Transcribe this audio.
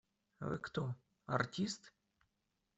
Вы кто? Артист?